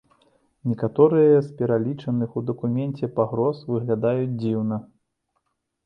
Некаторыя з пералічаных у дакуменце пагроз выглядаюць дзіўна.